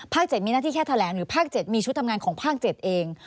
๗มีหน้าที่แค่แถลงหรือภาค๗มีชุดทำงานของภาค๗เอง